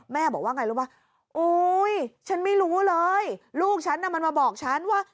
แม่บอกว่าไงรู้ป่ะโอ๊ยฉันไม่รู้เลยลูกฉันน่ะมันมาบอกฉันว่า